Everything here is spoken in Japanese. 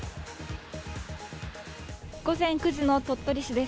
午前９時の鳥取市です。